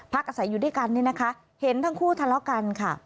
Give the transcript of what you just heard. อาศัยอยู่ด้วยกันเนี่ยนะคะเห็นทั้งคู่ทะเลาะกันค่ะ